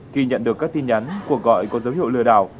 khi nhận được các tin nhắn cuộc gọi có dấu hiệu lừa đảo